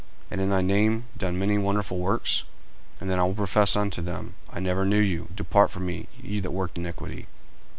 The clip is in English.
and in thy name done many wonderful works? 40:007:023 And then will I profess unto them, I never knew you: depart from me, ye that work iniquity.